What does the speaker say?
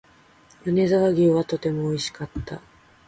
米沢牛はとても美味しかった